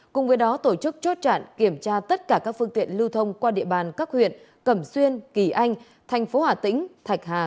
cùng với đó tổ chức chốt chặn kiểm tra tất cả các phương tiện lưu thông qua địa bàn các huyện cẩm xuyên kỳ anh thành phố hà tĩnh thạch hà